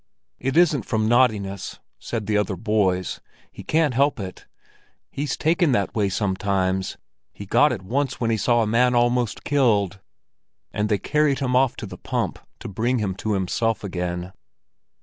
"It isn't from naughtiness," said the other boys. "He can't help it; he's taken that way sometimes. He got it once when he saw a man almost killed." And they carried him off to the pump to bring him to himself again.